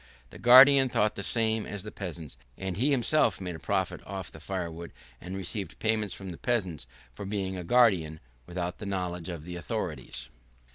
The guardian thought the same as the peasants, and he himself made a profit off the firewood and received payments from the peasants for being a guardian without the knowledge of the authorities.